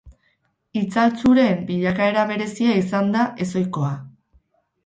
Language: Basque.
Itzaltzuren bilakaera berezia izan da, ez ohikoa.